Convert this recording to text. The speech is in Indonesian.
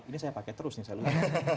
ini saya pakai terus nih selalu